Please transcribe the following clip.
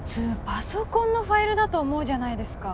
パソコンのファイルだと思うじゃないですか